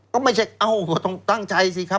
ก็ไม่ใช่เอ้าก็ต้องตั้งใจสิครับ